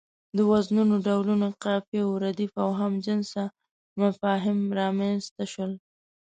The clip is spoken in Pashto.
د وزنونو ډولونه، قافيو، رديف او هم جنسه مفاهيم رامنځ ته شول.